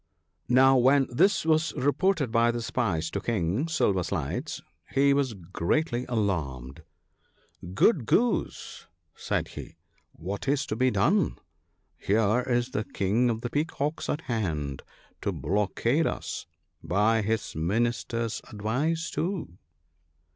Now, when this was reported by the spies to King Silver sides, he was greatly alarmed. " Good Goose !" IIO THE BOOK OF GOOD COUNSELS. said he, " what is to be done ? Here is the King of the Peacocks at hand, to blockade us, — by his Minister's advice too."